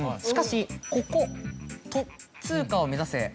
しかしここ「トッ通過を目指せ。」